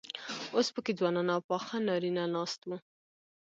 اوس پکې ځوانان او پاخه نارينه ناست وو.